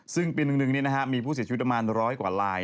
ซึ่งปี๑๑มีผู้เสียชีวิตประมาณร้อยกว่าลาย